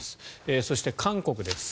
そして、韓国です。